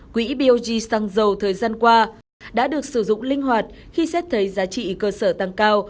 quỹ bog xăng dầu thời gian qua đã được sử dụng linh hoạt khi xét thấy giá trị cơ sở tăng cao